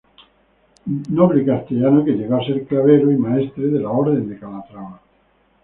Noble castellano que llegó a ser clavero y maestre de la Orden de Calatrava.